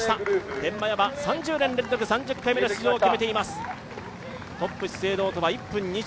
天満屋は３０年連続３０回目の出場を決めています。